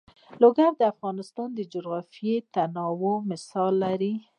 لوگر د افغانستان د جغرافیوي تنوع مثال دی.